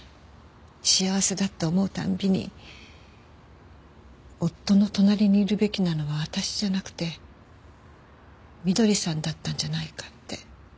幸せだって思う度に夫の隣にいるべきなのは私じゃなくて翠さんだったんじゃないかって。